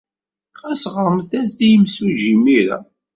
Ɣas ɣremt-as-d i yemsujji imir-a.